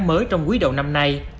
mới trong quý đầu năm nay